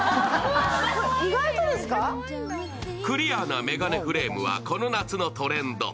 クリアな眼鏡フレームはこの夏のトレンド。